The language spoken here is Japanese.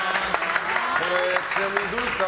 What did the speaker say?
ちなみに、どうですか？